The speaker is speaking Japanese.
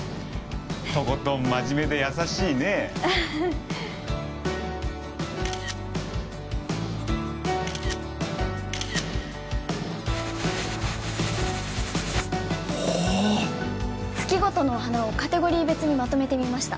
とことん真面目で優しいねおお月ごとのお花をカテゴリー別にまとめてみました